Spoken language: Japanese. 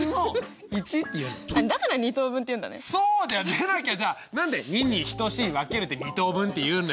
でなきゃじゃあ何で「２」に「等しい」「分ける」で２等分っていうんだよ。